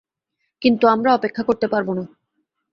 কিন্তু আমরা অপেক্ষা করতে পারব না।